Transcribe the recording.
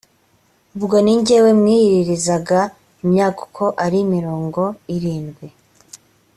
ubwo ni jyewe mwiyiririzaga imyaka uko ari mirongo irindwi‽